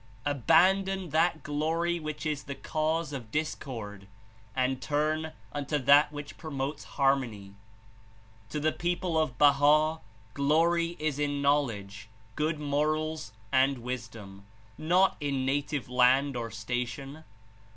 Abandon that glory which is the cause of dis cord, and turn unto that which promotes harmony. "To the people of Baha' glory is in knowledge, good morals and wisdom — not in native land or sta tion.